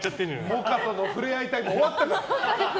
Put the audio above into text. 萌歌との触れ合いタイム終わったから！